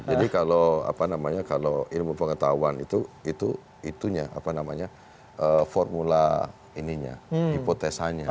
jadi kalau ilmu pengetahuan itu itunya apa namanya formula ininya hipotesanya